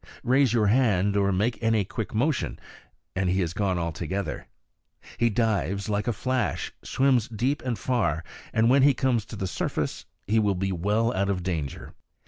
Raise your hand, or make any quick motion, and he is gone altogether. He dives like a flash, swims deep and far, and when he comes to the surface will be well out of danger.